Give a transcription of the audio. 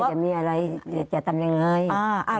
จะมีอะไรจะทำยังไง